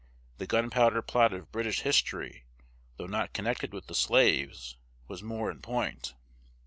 The gunpowder plot of British history, though not connected with the slaves, was more in point.